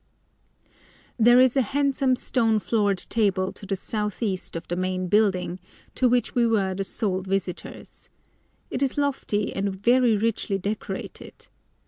There is a handsome stone floored temple to the south east of the main building, to which we were the sole visitors. It is lofty and very richly decorated.